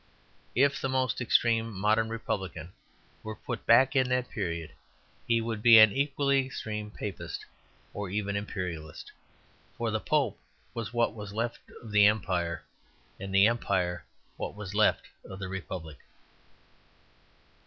If the most extreme modern Republican were put back in that period he would be an equally extreme Papist or even Imperialist. For the Pope was what was left of the Empire; and the Empire what was left of the Republic.